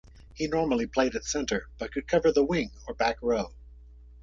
He normally played at centre but could cover the wing or back row.